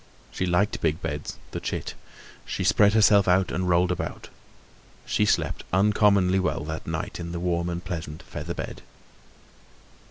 She liked big beds, the chit; she spread herself out and rolled about. She slept uncommonly well that night in the warm and pleasant feather bed.